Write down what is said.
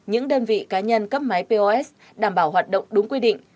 những đơn vị cá nhân cấp máy pos đảm bảo hoạt động đúng quy định